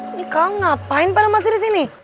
ini kalian ngapain pada masih disini